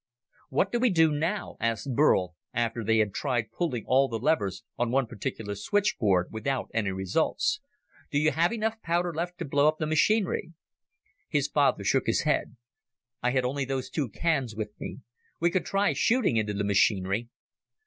"What do we do now?" asked Burl, after they had tried pulling all the levers on one particular switchboard without any results. "Do you have enough powder left to blow up the machinery?" His father shook his head. "I had only those two cans with me. We could try shooting into the machinery."